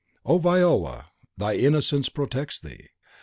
O Viola, thy innocence protects thee!